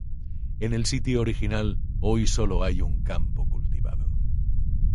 En el sitio original hoy solo hay un campo cultivado.